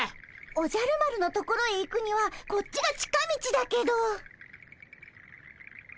おじゃる丸のところへ行くにはこっちが近道だけど。